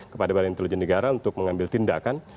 kepada badan intelijen negara untuk mengambil tindakan